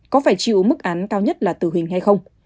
có phải chịu mức án cao nhất là tử hình hay không